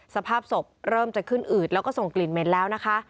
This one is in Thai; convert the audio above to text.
สภาพศพเริ่มจะขึ้นอืดแล้วก็ส่งกลิ่นเหม็นแล้วนะคะ